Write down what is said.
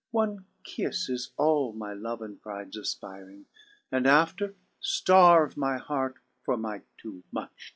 One kifTe is all my love and prides afpiring. And after ftarve my heart for my too much defiring."